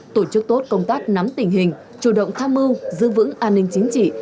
tổ chức tốt công tác nắm tình hình chủ động tham mưu giữ vững an ninh chính trị